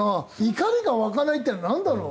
怒りが湧かないっていうのはなんだろう？